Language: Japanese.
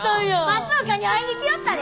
松岡に会いに来よったで！